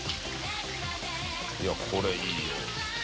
いこれいいよ。